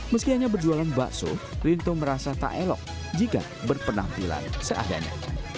meski hanya berjualan bakso rinto merasa tak elok jika berpenampilan seadanya